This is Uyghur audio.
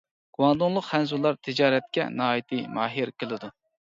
گۇاڭدۇڭلۇق خەنزۇلار تىجارەتكە ناھايىتى ماھىر كېلىدۇ.